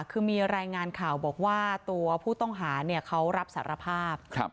คือมีรายงานข่าวบอกว่าตัวผู้ต้องหาเขารับสารภาพ